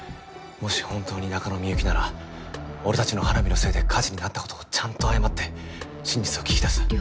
もし本当に中野幸なら俺たちの花火のせいで火事になった事をちゃんと謝って真実を聞き出す。